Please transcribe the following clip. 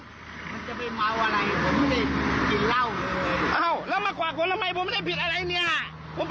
มันจะไปเมาอะไรกินเหล้าเลย